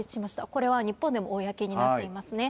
これは日本でも公になっていますね。